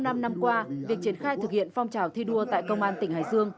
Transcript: trong năm năm qua việc triển khai thực hiện phong trào thi đua tại công an tỉnh hải dương